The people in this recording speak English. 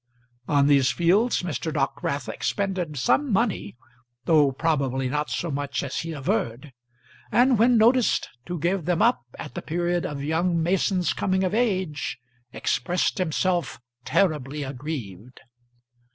On these fields Mr. Dockwrath expended some money, though probably not so much as he averred; and when noticed to give them up at the period of young Mason's coming of age, expressed himself terribly aggrieved.